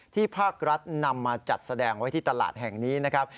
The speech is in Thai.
ภาครัฐนำมาจัดแสดงไว้ที่ตลาดแห่งนี้นะครับ